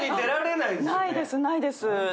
ないです、ないです。